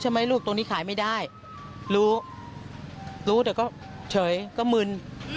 ลูกตรงนี้ขายไม่ได้รู้รู้แต่ก็เฉยก็มึน